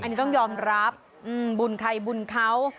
อันนี้ต้องยอมรับบุญใครบุญเขา